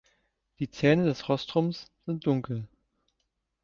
Die Zähne des Rostrums sind dunkel.